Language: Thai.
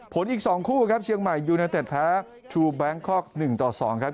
อีก๒คู่ครับเชียงใหม่ยูเนเต็ดแพ้ชูแบงคอก๑ต่อ๒ครับ